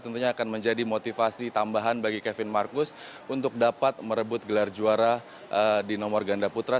tentunya akan menjadi motivasi tambahan bagi kevin marcus untuk dapat merebut gelar juara di nomor ganda putra